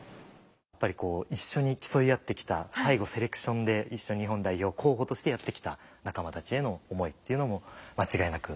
やっぱりこう一緒に競い合ってきた最後セレクションで一緒に日本代表候補としてやってきた仲間たちへの思いというのも間違いなく乗ってたのかなと思います。